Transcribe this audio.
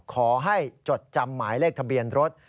จดจำหมายเลขทะเบียนรถ